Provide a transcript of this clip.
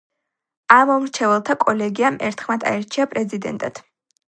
ამომრჩეველთა კოლეგიამ ერთხმად აირჩია პრეზიდენტად.